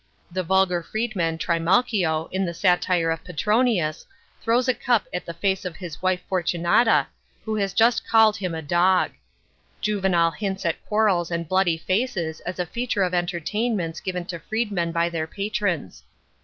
The vulgar fieedman Trimalchio, in the satire of Petroiaius, throws a cup at the face of his wife Fortunata, who has just called lam a " dog." Juvenal hints at quarrels and bloody fac»s as a feature of entertainments given to freedmen by their patrons.